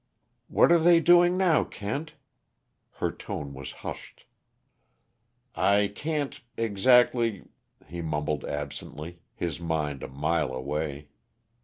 "What are they doing now, Kent?" Her tone was hushed. "I can't exactly " He mumbled absently, his mind a mile away.